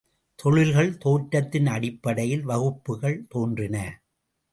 தொழில்கள் தோற்றத்தின் அடிப்படையில் வகுப்புக்கள் தோன்றின.